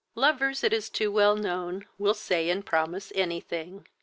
Lovers, it is too well known, will say and promise any thing.